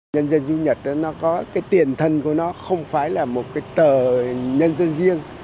nhân dân chúng nhật nó có cái tiền thân của nó không phải là một cái tờ nhân dân riêng